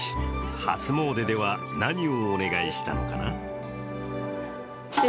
初詣では何をお願いしたのかな。